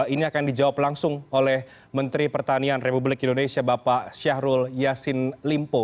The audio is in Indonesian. ini akan dijawab langsung oleh menteri pertanian republik indonesia bapak syahrul yassin limpo